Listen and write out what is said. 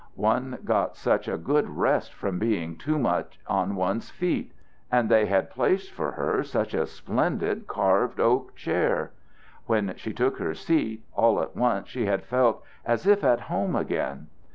One got such a good rest from being too much on one's feet! And they had placed for her such a splendid carved oak chair! When she took her seat, all at once she had felt as if at home again.